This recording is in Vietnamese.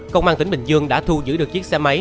công an tỉnh bình dương đã thu giữ được chiếc xe máy